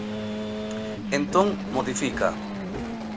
Entón, modifica.